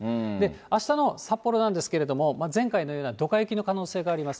あしたの札幌なんですけれども、前回のようなどか雪の可能性があります。